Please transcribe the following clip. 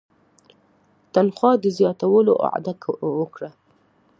تنخوا د زیاتولو وعده ورکړه.